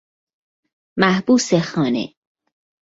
محبوس خانه